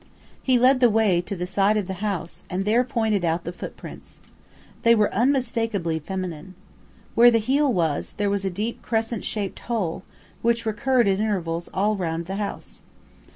He led the way to the side of the house, and there pointed out the footprints. They were unmistakably feminine. Where the heel was, was a deep crescent shaped hole, which recurred at intervals all round the house.